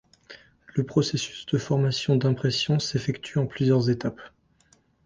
Le processus de formation d’impression s’effectue en plusieurs étapes.